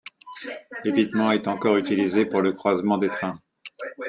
L'évitement est encore utilisé pour le croisement des trains.